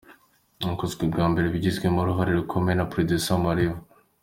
Yakozwe bwa mbere bigizwemo uruhare rukomeye na Producer Ma-Riva.